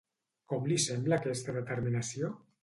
Com li sembla aquesta determinació?